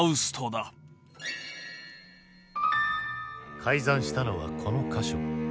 改ざんしたのはこの箇所。